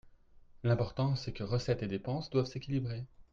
L’important, c’est que recettes et dépenses doivent s’équilibrer.